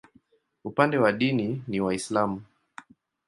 Upande wa dini ni Waislamu.